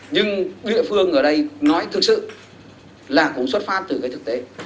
nhưng địa phương ở đây nói thực sự là cũng xuất phát từ cái thực tế